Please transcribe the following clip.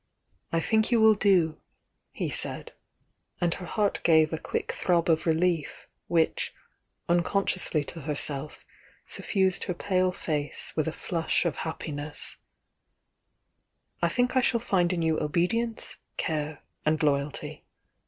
"I think you will do," he said, — and lier heart gave a quick throb of relief which, unconsciously to her self, suffused her pale face with a flush of happi ness — "I think I shall find in you obedience, care, and loyalty.